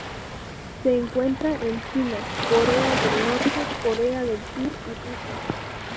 Se encuentra en China, Corea del Norte, Corea del Sur y Rusia.